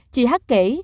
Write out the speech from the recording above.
chị hát kể